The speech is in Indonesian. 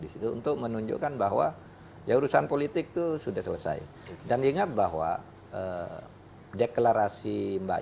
disitu untuk menunjukkan bahwa ya urusan politik itu sudah selesai dan ingat bahwa deklarasi mbak